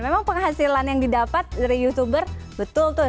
memang penghasilan yang didapat dari youtuber betul tuh